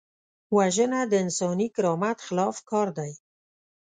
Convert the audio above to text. وژنه د انساني کرامت خلاف کار دی